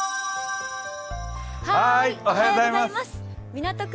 港区